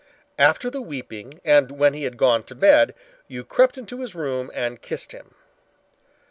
After the weeping and when he had gone to bed, you crept into his room and kissed him.